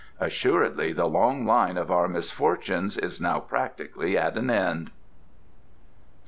Assuredly the long line of our misfortunes is now practically at an end." iv.